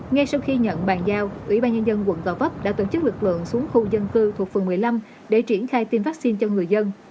ngay sau khi nhận bàn giao ubnd quận gò bóp đã tổ chức lực lượng xuống khu dân cư thuộc phường một mươi năm để triển khai tiêm vaccine cho người dân